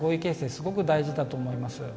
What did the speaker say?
すごく大事だと思います。